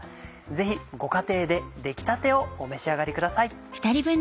ぜひご家庭で出来たてをお召し上がりください。